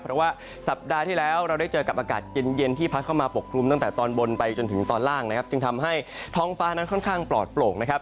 เพราะว่าสัปดาห์ที่แล้วเราได้เจอกับอากาศเย็น